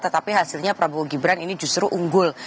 tetapi hasilnya prabowo gibran ini justru unggul